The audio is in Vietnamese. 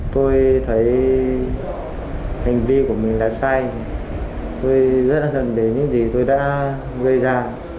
tôi thấy hành vi của mình là sai tôi rất là thân đến những gì tôi đã gây ra